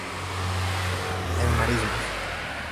En marismas.